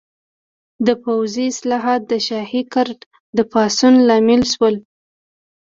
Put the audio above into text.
د پوځي اصلاحات د شاهي ګارډ د پاڅون لامل شول.